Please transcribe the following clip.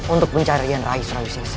untuk mencari rian rai surawisisa